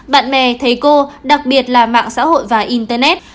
bạn bè thầy cô đặc biệt là mạng xã hội và internet